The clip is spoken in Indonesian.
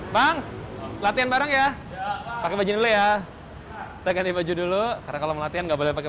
bang latihan bareng ya pakai baju ya tekan baju dulu karena kalau melatihan nggak boleh pakai